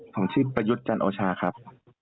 ผมชื่อประยุทธ์จันโอชาครับ